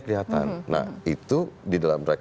kelihatan nah itu di dalam drag